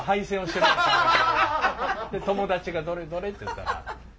友達がどれどれって言ったら。